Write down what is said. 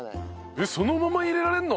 えっそのまま入れられるの？